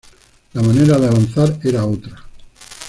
La manera de avanzar era otra.